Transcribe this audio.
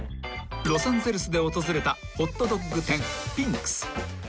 ［ロサンゼルスで訪れたホットドッグ店ピンクス］